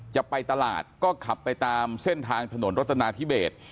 จะไปตลาดก็ขับไปตามเส้นทางถนนรัตนาธิเบส